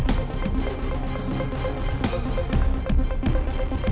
jangan sampai dia balik lagi